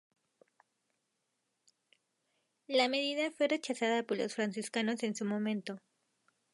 La medida fue rechazada por los franciscanos en su momento.